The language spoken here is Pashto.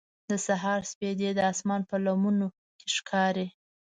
د سهار سپېدې د اسمان په لمنو کې ښکاري.